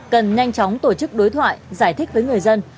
cần nhanh chóng tổ chức đối thoại giải thích với người dân